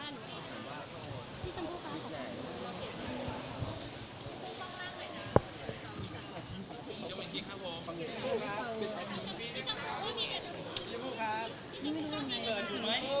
น้องพวกนี้ต้องเปิดเรื่องนี้